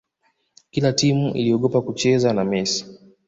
kila timu iliogopa kucheza na messi